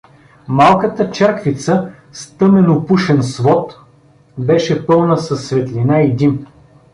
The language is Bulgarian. Малката черквица с тъмен опушен свод беше пълна със светлина и дим.